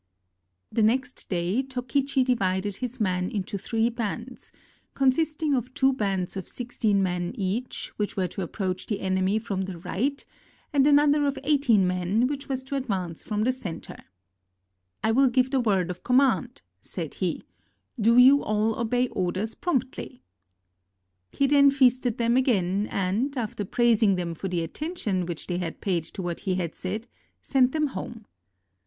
The next day Tokichi divided his men into three bands, consisting of two bands of sixteen men each, which were to approach the enemy from the right, and another of eighteen men, which was to advance from the center. "I will give the word of command," said he, "do you all obey orders promptly." He then feasted them again and, after praising them for the attention which they had paid to what he had said, sent them home.